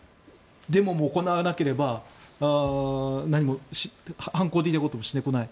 デモも行わなければ反抗的なこともしてこない。